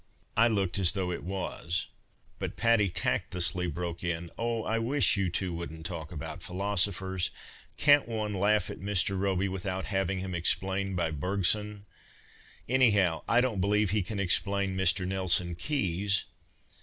I looked as though it was, but Patty tactlessly broke in, " Oh, I wish you two wouldn't talk about philosophers. Can't one laugh at Mr. Robey without having him explained by Bergson ? Anyhow, I don't believe he can explain Mr. Nelson Keys."'